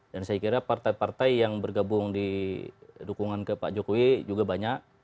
dan saya kira partai partai yang bergabung di dukungan pak jokowi juga banyak